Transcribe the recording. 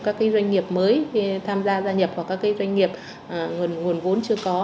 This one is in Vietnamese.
các doanh nghiệp mới tham gia gia nhập hoặc các doanh nghiệp nguồn vốn chưa có